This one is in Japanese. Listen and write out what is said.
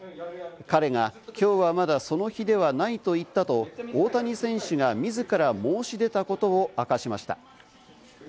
彼が、きょうはまだその日ではないと言ったと大谷選手が自ら申し出たことを明かしました。